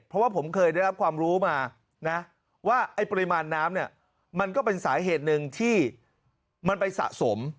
เพราะว่าผมเคยได้รับความรู้มานะว่าไอ้ปริมาณน้ำเนี่ยมันก็เป็นสาเหตุหนึ่งที่มันไปสะสม